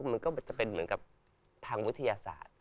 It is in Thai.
มันก็จะเป็นเหมือนกับทางวิทยาศาสตร์